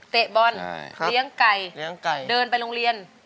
เตะบอลเลี้ยงไก่เดินไปโรงเรียน